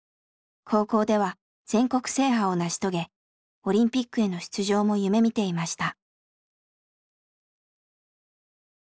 高校では全国制覇を成し遂げオリンピックへの出場も夢みていました。